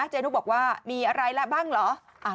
เจ๊นุกบอกว่ามีอะไรแล้วบ้างเหรอ